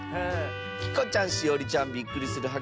きこちゃんしおりちゃんびっくりするはっ